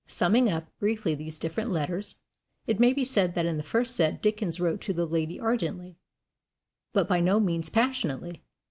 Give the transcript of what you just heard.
Summing up briefly these different letters, it may be said that in the first set Dickens wrote to the lady ardently, but by no means passionately.